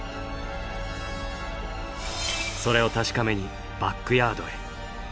それを確かめにバックヤードへ。